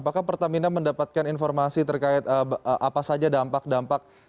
apakah pertamina mendapatkan informasi terkait apa saja dampak dampak